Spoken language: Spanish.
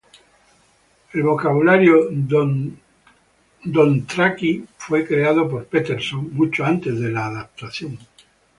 El vocabulario dothraki fue creado por Peterson, mucho antes de la adaptación.